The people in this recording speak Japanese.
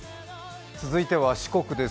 続いては四国です。